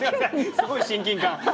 すごい親近感！